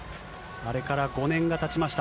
あれから５年がたちました。